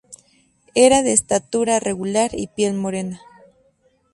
Era de estatura regular y piel morena.